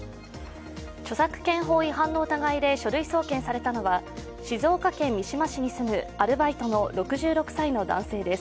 著作権法違反の疑いで書類送検されたのは静岡県三島市に住むアルバイトの６６歳の男性です。